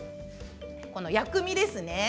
薬味ですね。